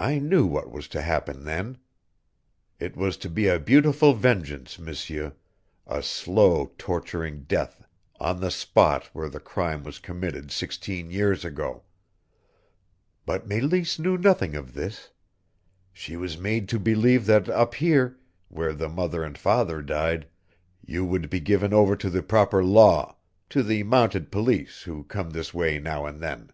I knew what was to happen then. It was to be a beautiful vengeance, M'seur a slow torturing death on the spot where the crime was committed sixteen years ago. But Meleese knew nothing of this. She was made to believe that up here, where the mother and father died, you would be given over to the proper law to the mounted police who come this way now and then.